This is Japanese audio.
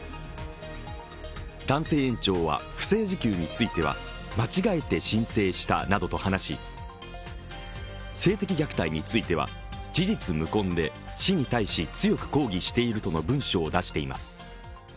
男性園長は不正受給については間違えて申請したなどと話し性的虐待については、事実無根で市に対し強く抗議しているとの文書を出しています。